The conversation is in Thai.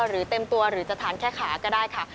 หรือเต็มตัวหรือจะทานแค่ขาก็ได้ค่ะ